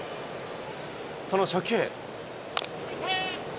その初球。